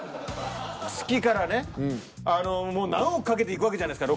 月からねあのもう何億かけて行くわけじゃないですか。